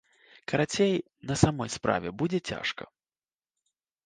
Карацей, на самой справе будзе цяжка.